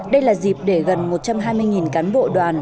đây là dịp để gần một trăm hai mươi cán bộ đoàn